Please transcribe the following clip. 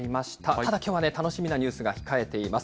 ただ、きょうはね、楽しみなニュースが控えています。